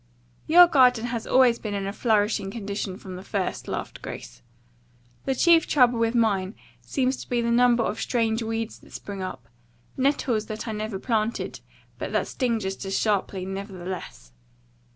"Your garden has always been in a flourishing condition from the first," laughed Grace. "The chief trouble with mine seems to be the number of strange weeds that spring up nettles that I never planted, but that sting just as sharply, nevertheless.